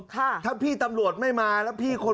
ถ้าพี่ตำรวจไม่มาแล้วพี่คน